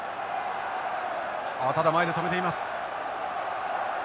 ただ前で止めています。